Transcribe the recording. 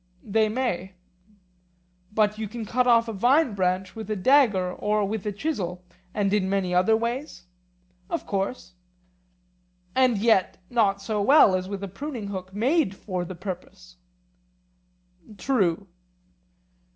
They may. But you can cut off a vine branch with a dagger or with a chisel, and in many other ways? Of course. And yet not so well as with a pruning hook made for the purpose? True.